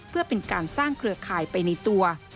เพื่อเป็นการสร้างเครือข่ายไปในตัว